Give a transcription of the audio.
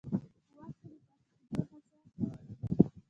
په واک کې د پاتې کېدو هڅه کوله.